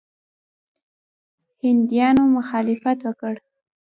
هندیانو مخالفت وکړ.